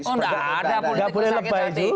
oh nggak ada politik sakit hati